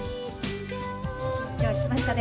緊張しましたね。